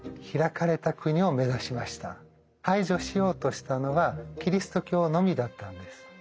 排除しようとしたのはキリスト教のみだったのです。